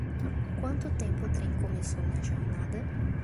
Quanto tempo o trem começou na jornada?